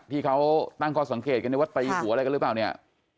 ที่เขาตั้งข้อสังเกตกันว่าตีหัวอะไรกันหรือเปล่าเนี่ย